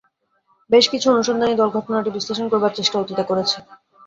বেশ কিছু অনুসন্ধানী দল ঘটনাটি বিশ্লেষণ করবার চেষ্টা অতীতে করেছে।